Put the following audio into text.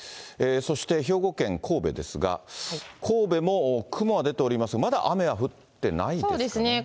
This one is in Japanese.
そして兵庫県神戸ですが、神戸も雲は出ておりますが、そうですね。